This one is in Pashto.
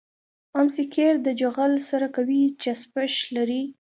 ام سي قیر د جغل سره قوي چسپش لري